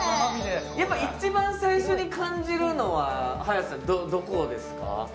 一番最初に感じるのはどこですか？